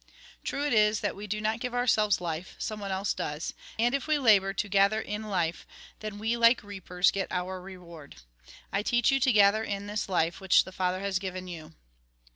True it is, that we do not give ourselves life; someone else does. And if we labour to gather in life, then we, like reapers, get our reward. I teach you to gather in this life, which the Father has given you."